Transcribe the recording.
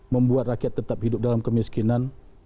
membuat rakyat tetap hidup dalam kemiskinan